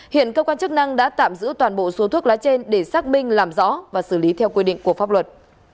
hiện cơ quan chức năng đã tạm giữ toàn bộ số thuốc lá trên để xác minh làm rõ và xử lý theo quy định của pháp luật